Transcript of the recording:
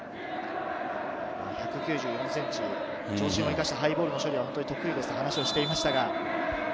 １９４ｃｍ、長身を生かしたハイボールの処理は得意ですと話をしていました。